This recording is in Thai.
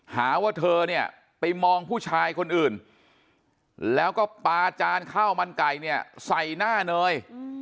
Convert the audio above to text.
หาว่าเธอเนี่ยไปมองผู้ชายคนอื่นแล้วก็ปลาจานข้าวมันไก่เนี่ยใส่หน้าเนย